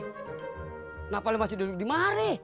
kenapa masih duduk di mari